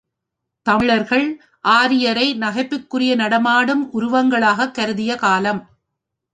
தமிழர்கள் ஆரியரை நகைப்புக்குரிய நடமாடும் உருவங்களாகக் கருதிய காலம்.